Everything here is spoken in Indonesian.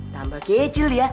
tambah kecil dia